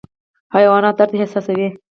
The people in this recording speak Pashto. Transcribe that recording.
حیوانات درد احساسوي